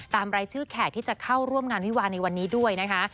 รายชื่อแขกที่จะเข้าร่วมงานวิวาในวันนี้ด้วยนะคะ